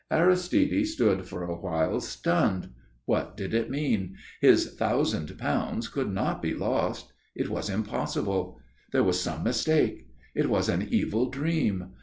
Aristide stood for a while stunned. What did it mean? His thousand pounds could not be lost. It was impossible. There was some mistake. It was an evil dream.